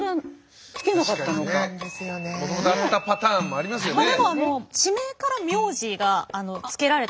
もともとあったパターンもありますよね。